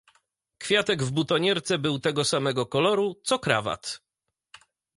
Kwiatek w butonierce był tego samego koloru, co krawat.